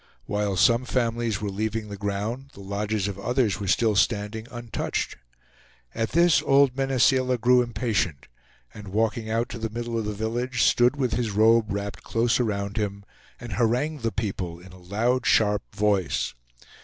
While some families were leaving the ground the lodges of others were still standing untouched. At this old Mene Seela grew impatient, and walking out to the middle of the village stood with his robe wrapped close around him, and harangued the people in a loud, sharp voice.